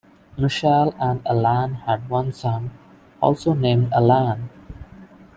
Michelle and Alan had one son, also named Alan.